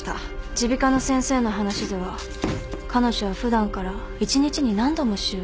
耳鼻科の先生の話では彼女は普段から一日に何度も使用しているそうです。